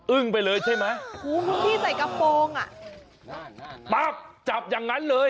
อึ้งไปเลยใช่ไหมพี่ใส่กระโปรงจับอย่างนั้นเลย